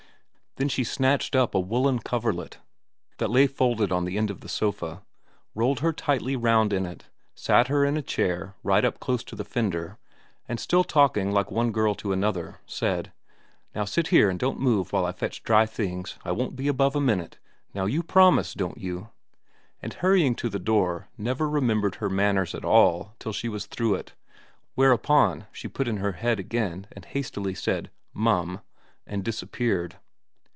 Then she snatched up a woollen coverlet that lay folded on the end of the sofa, rolled her tightly round in it, sat her in a chair right up close to the fender, and still talking like one girl to another said, ' Now sit there and don't move while I fetch dry things I won't be above a minute now you promise, don't you ' and hurry ing to the door never remembered her manners at all till she was through it, whereupon she put in her head again and hastily said, ' Mum,' and disappeared.